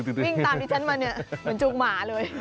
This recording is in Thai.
วิ่งตามที่ฉันมาเหมือนจุกหมาเลย